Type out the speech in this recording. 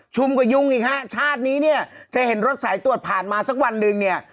กว่ายุงอีกฮะชาตินี้เนี่ยจะเห็นรถสายตรวจผ่านมาสักวันหนึ่งเนี่ย